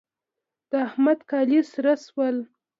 د احمد کالي سره شول.